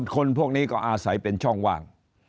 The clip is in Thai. คนพวกนี้ก็อาศัยเป็นช่องว่าง